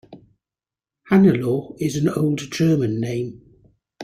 Hannelore is an old German name.